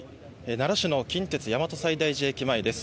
奈良市の近鉄大和西大寺駅前です。